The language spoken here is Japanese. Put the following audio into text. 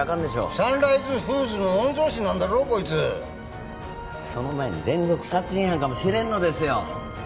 サンライズフーズの御曹司なんだろこいつその前に連続殺人犯かもしれんのですよ